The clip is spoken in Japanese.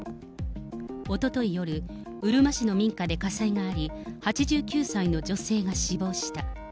おととい夜、うるま市の民家で火災があり、８９歳の女性が死亡した。